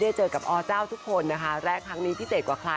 อ๋อค่ะค่ะก็จะยิ่งใหญ่เลยแหละค่ะ